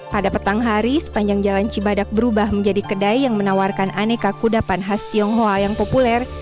pada petang hari sepanjang jalan cibadak berubah menjadi kedai yang menawarkan aneka kudapan khas tionghoa yang populer